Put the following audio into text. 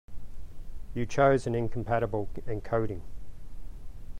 You chose an incompatible encoding.